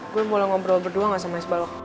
gue mau ngobrol berdua gak sama isbalok